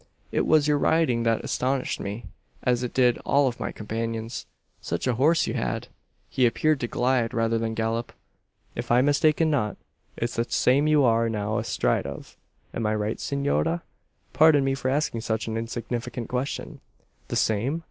It was your riding that astonished me, as it did all of my companions. Such a horse you had! He appeared to glide, rather than gallop! If I mistake not, it's the same you are now astride of. Am I right, senora? Pardon me for asking such an insignificant question." "The same?